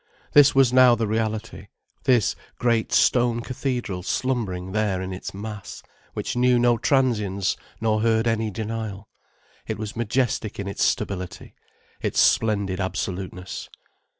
This was now the reality; this great stone cathedral slumbering there in its mass, which knew no transience nor heard any denial. It was majestic in its stability, its splendid absoluteness.